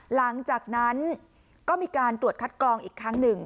หลังจากนั้นก็มีการตรวจคัดกรองอีกครั้งหนึ่ง